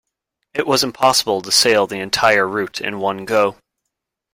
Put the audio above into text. It was possible to sail the entire route in one go.